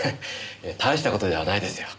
大した事ではないですよ。